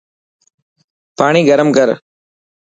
پاڻي گرم ڪر.